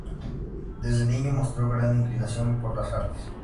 Desde niño mostró gran inclinación por las Artes.